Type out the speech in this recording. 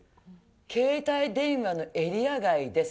携帯電話のエリア外です。